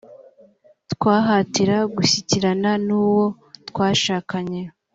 twihatira gushyikirana n uwo twashakanye